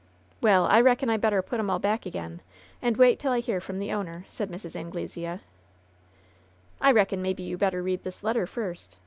"Well, I reckon Fd better put 'em all back again, and wait till I hear from the owner," said Mrs. Anglesea. "I reckon maybe you better read this letter first.